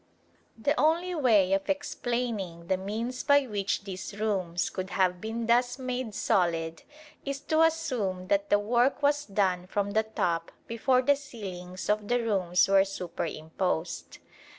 The only way of explaining the means by which these rooms could have been thus made solid is to assume that the work was done from the top before the ceilings of the rooms were superimposed.